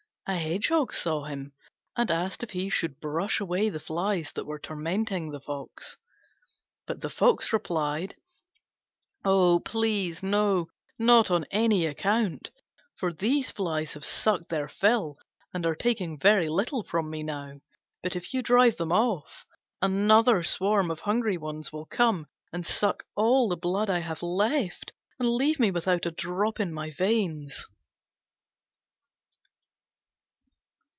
A Hedgehog saw him, and asked if he should brush away the flies that were tormenting him; but the Fox replied, "Oh, please, no, not on any account, for these flies have sucked their fill and are taking very little from me now; but, if you drive them off, another swarm of hungry ones will come and suck all the blood I have left, and leave me without a drop in my veins."